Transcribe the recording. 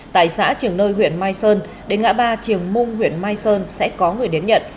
tại xã triều nơi huyện mai sơn đến ngã ba triều mung huyện mai sơn sẽ có người đến nhận